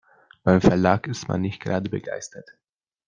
Beim Verlag ist man nicht gerade begeistert.